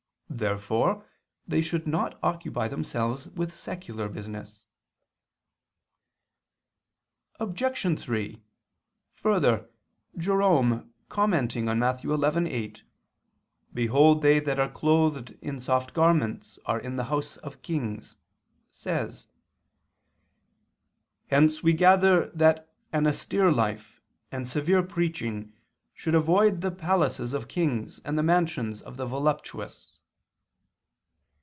Therefore they should not occupy themselves with secular business. Obj. 3: Further, Jerome, commenting on Matt. 11:8, "Behold they that are clothed in soft garments are in the houses of kings," says: "Hence we gather that an austere life and severe preaching should avoid the palaces of kings and the mansions of the voluptuous."